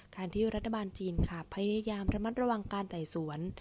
ที่รัฐบาลจีนค่ะพยายามระมัดระวังการไต่สวน